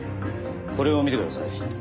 これを見てください。